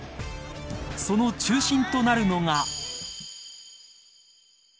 その中心となるのが。